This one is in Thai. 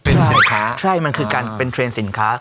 เป็นสินค้าใช่มันคือการเป็นเทรนด์สินค้า